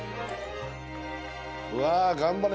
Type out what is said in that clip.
うわ頑張れ。